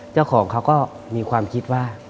เจ้าของเขาก็มีความคิดว่า